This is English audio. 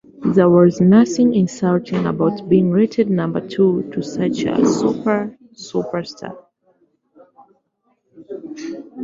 There was nothing insulting about being rated number two to such a super superstar.